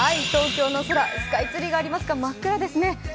東京の空、スカイツリーがありますが、真っ暗ですね。